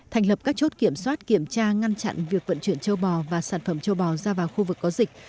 thành lập các chốt kiểm soát kiểm tra ngăn chặn việc vận chuyển châu bò và sản phẩm châu bò ra vào khu vực có dịch